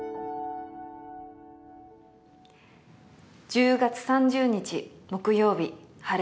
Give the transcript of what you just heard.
「１０月３０日木曜日晴れ」